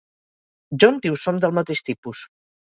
John diu Som del mateix tipus.